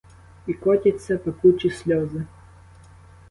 І котяться пекучі сльози.